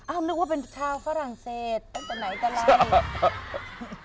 นึกว่าเป็นชาวฝรั่งเศสตั้งแต่ไหนแต่ไร